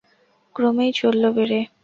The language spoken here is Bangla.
ক্রমেই চলল বেড়ে।